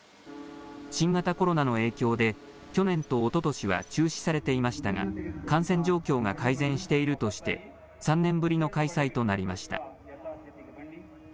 新型コロナの影響で、去年とおととしは中止されていましたが、感染状況が改善しているとして、３年ぶりの開催となりました。